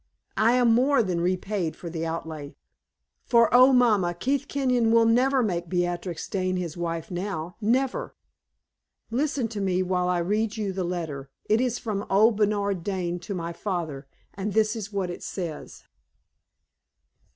I am more than repaid for the outlay; for, oh, mamma, Keith Kenyon will never make Beatrix Dane his wife now never! Listen to me while I read you the letter. It is from old Bernard Dane to my father, and this is what it says."